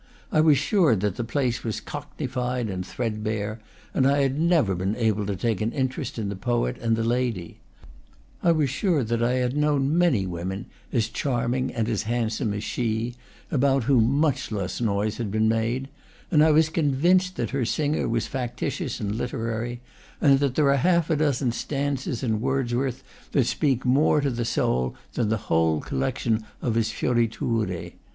I was sure that the place was cockneyfied and threadbare, and I had never been able to take an interest in the poet and the lady. I was sure that I had known many women as charming and as handsome as she, about whom much less noise had been made; and I was convinced that her singer was factitious and literary, and that there are half a dozen stanzas in Wordsworth that speak more to the soul than the whole collection of his fioriture.